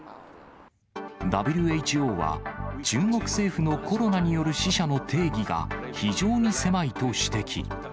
ＷＨＯは、中国政府のコロナによる死者の定義が非常に狭いと指摘。